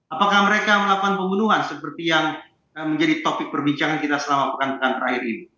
apakah mereka melakukan pembunuhan seperti yang menjadi topik perbincangan kita selama pekan pekan terakhir ini